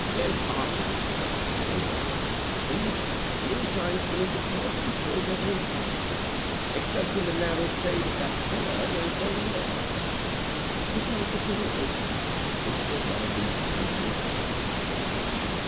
"Impossible!" exclaimed others. "See! The moon shines beneath the porch, and shows every part of it, except in the narrow shade of that pillar. There is no one there!" "Did not the door open?" whispered one of these fanciful persons.